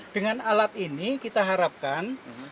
dengan alat ini kita harapkan